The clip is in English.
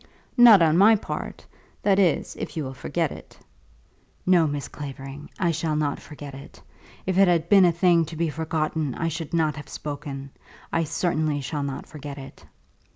"Not on my part; that is, if you will forget it." "No, Miss Clavering; I shall not forget it. If it had been a thing to be forgotten, I should not have spoken. I certainly shall not forget it."